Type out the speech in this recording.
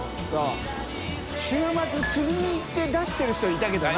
桔釣りに行って出してる人いたけどな。